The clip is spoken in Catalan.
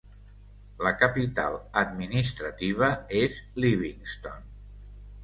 La capital administrativa és Livingston.